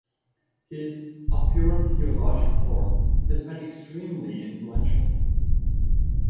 His "Operum theologicorum" has also been extremely influential.